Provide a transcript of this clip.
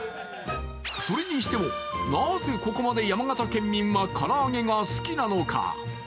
それにしてもなぜここまで山形県民は唐揚げが好きなのか。